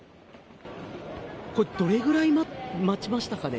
これ、どれぐらい待ちましたかね？